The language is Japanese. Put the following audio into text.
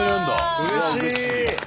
うれしい！